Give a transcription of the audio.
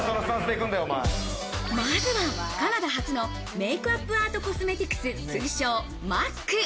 まずは、カナダ発のメイクアップアーティストコスメティクス通称Ｍ・Ａ・Ｃ。